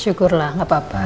syukurlah gak apa apa